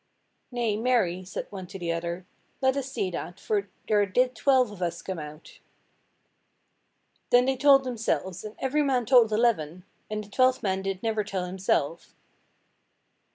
"Nay, marry," said one to the other, "let us see that, for there did twelve of us come out." Then they told themselves, and every man told eleven, and the twelfth man did never tell himself.